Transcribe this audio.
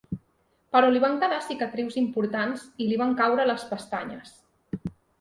Però li van quedar cicatrius importants, i li van caure les pestanyes.